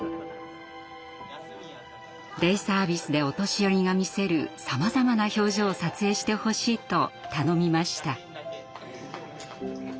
デイサービスでお年寄りが見せるさまざまな表情を撮影してほしいと頼みました。